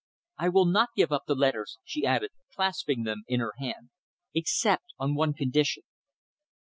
I will not give up the letters," she added, clasping them in her hand, "except on one condition."